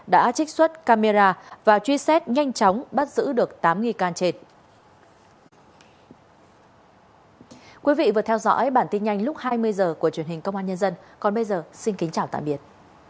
đã trích xuất camera và truy xét nhanh chóng bắt giữ được tám nghi can trên